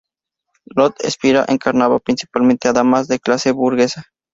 Lotte Spira encarnaba principalmente a damas de clase burguesa.